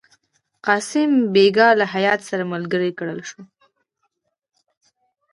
قاسم بیګ له هیات سره ملګری کړل شو.